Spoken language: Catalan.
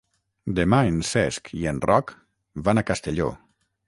Demà en Cesc i en Roc van a Castelló.